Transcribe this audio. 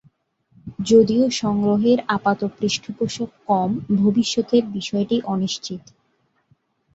যদিও সংগ্রহের আপাত পৃষ্ঠপোষক কম, ভবিষ্যতের বিষয়টি অনিশ্চিত।